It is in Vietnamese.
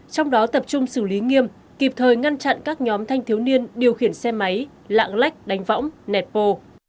trong đó tập trung xử lý nghiêm kịp thời ngăn chặn các nhóm thanh thiếu niên điều khiển xe máy lạng lách đánh võng nẹt bô